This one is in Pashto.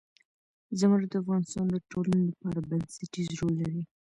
زمرد د افغانستان د ټولنې لپاره بنسټيز رول لري.